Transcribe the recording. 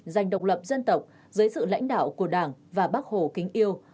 giành độc lập dân tộc dưới sự lãnh đạo của đảng và bác hồ kính yêu